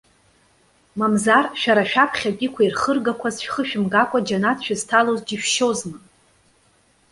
Мамзар, шәара шәаԥхьатәиқәа ирхыргақәаз шәхышәымгакәа џьанаҭ шәызҭалоз џьышәшьозма?